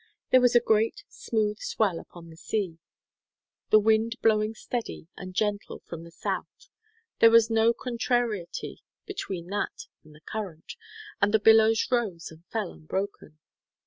There was a great, smooth swell upon the sea. The wind blowing steady and gentle from the south, there was no contrariety between that and the current, and the billows rose and fell unbroken.